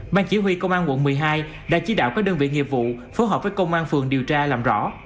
ban chỉ huy công an quận một mươi hai đã chỉ đạo các đơn vị nghiệp vụ phối hợp với công an phường điều tra làm rõ